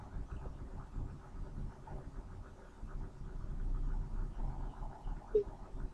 Si pasa entre los dedos extendidos del opositor se considera un "buen" punto adicional.